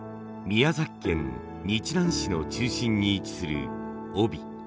宮崎県日南市の中心に位置する飫肥。